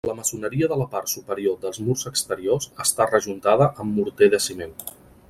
La maçoneria de la part superior dels murs exteriors està rejuntada amb morter de ciment.